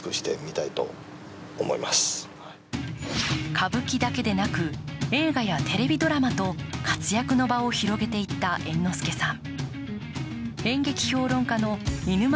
歌舞伎だけでなく、映画やテレビドラマと活躍の場を広げていった猿之助さん。